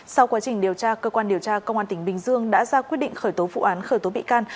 sau quá trình điều tra cơ quan điều tra công an tỉnh bình dương đã ra quyết định khởi tố vụ án khởi tố bị can